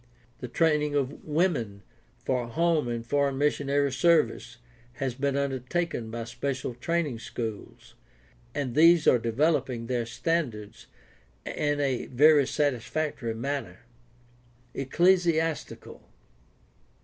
The training of women for home and foreign missionary service has been undertaken by special training schools, and these are developing their standards in a very satisfactory manner. Ecclesiastical.